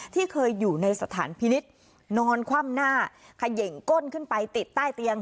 ที่เคยอยู่ในสถานพินิษฐ์นอนคว่ำหน้าเขย่งก้นขึ้นไปติดใต้เตียง